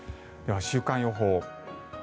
では、週間予報。